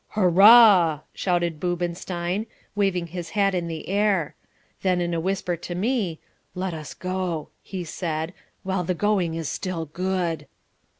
"Hurrah!" shouted Boobenstein, waving his hat in the air. Then in a whisper to me: "Let us go," he said, "while the going is still good."